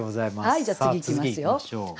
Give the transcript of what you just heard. はいじゃあ次いきますよ。